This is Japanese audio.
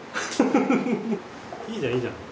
いいじゃんいいじゃん。